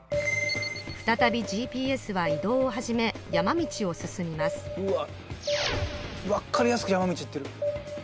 再びＧＰＳは移動を始め山道を進みます・分かりやすく山道行っている。